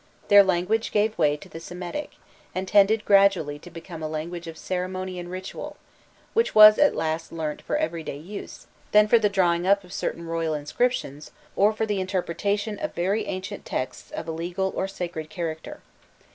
Their language gave way to the Semitic, and tended gradually to become a language of ceremony and ritual, which was at last learnt less for everyday use, than for the drawing up of certain royal inscriptions, or for the interpretation of very ancient texts of a legal or sacred character.